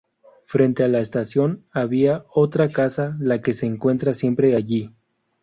Frente a la estación había otra casa, la que se encuentra siempre allí.